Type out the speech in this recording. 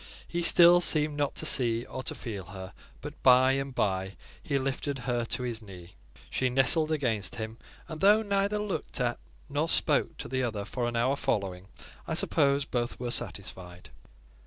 He still seemed not to see or to feel her; but by and by, he lifted her to his knee; she nestled against him, and though neither looked at nor spoke to the other for an hour following, I suppose both were satisfied.